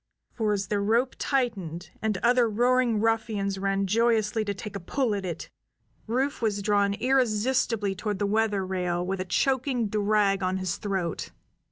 For as the rope tightened, and other roaring ruffians ran joyously to take a pull at it, Rufe was drawn irresistibly toward the weather rail with a choking drag on his throat.